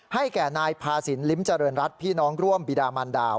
ให้แก่นายพาสินลิ้มเจริญรัฐพี่น้องร่วมบิดามันดาว